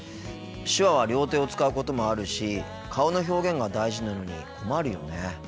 手話は両手を使うこともあるし顔の表現が大事なのに困るよね。